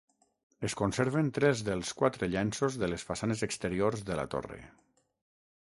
Es conserven tres dels quatre llenços de les façanes exteriors de la torre.